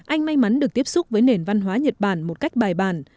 anh may mắn được tiếp xúc với nền văn hóa nhật bản một cách bài bản